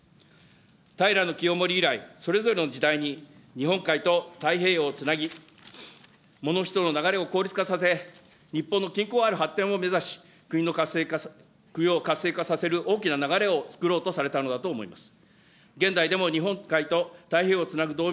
平清盛以来、それぞれの時代に日本海と太平洋をつなぎ、もの・人の流れを効率化させ、日本のある発展を目指し、国を活性化させる大きな流れをつくろうとされたのだと思います。